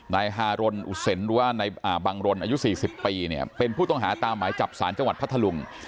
นายฮารนอุสนหรือว่านายบังรนอายุ๔๐ปีเนี่ยเป็นผู้ต้องหาตามหมายจับสารจังหวัดพัทธลุง